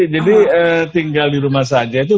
jadi tinggal di rumah saja itu